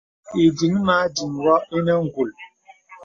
Ìdìŋ mə aliŋ wɔ nə ǹgùl.